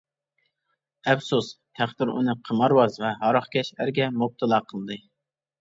ئەپسۇس، تەقدىر ئۇنى قىمارۋاز ۋە ھاراقكەش ئەرگە مۇپتىلا قىلدى.